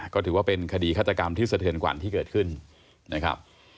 ก็ถือว่าเป็นคดีฆาตกรรมที่สะเทือนขวัญที่เกิดขึ้นนะครับ